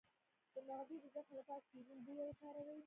د معدې د زخم لپاره شیرین بویه وکاروئ